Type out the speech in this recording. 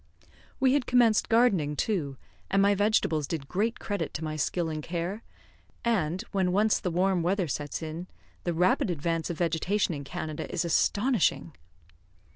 We had commenced gardening, too, and my vegetables did great credit to my skill and care; and, when once the warm weather sets in, the rapid advance of vegetation in Canada is astonishing.